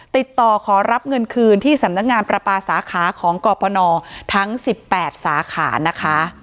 ติดต่อขอรับเงินคืนที่สำนักงานประปาสาขาของกรปนทั้ง๑๘สาขานะคะ